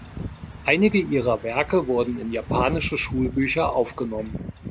Einige ihre Werke wurden in japanische Schulbücher aufgenommen.